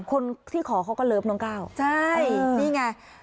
คนที่ขอเขาก็เลิฟน้องก้าวใช่นี่ไง